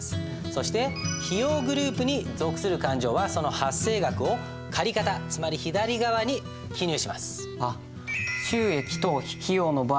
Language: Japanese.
そして費用グループに属する勘定はその発生額を借方つまり左側に記入します。